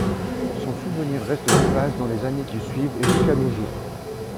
Son souvenir reste vivace dans les années qui suivent et jusqu’à nos jours.